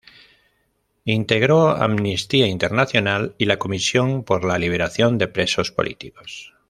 Integró Amnistía Internacional y la Comisión por la liberación de Presos Políticos.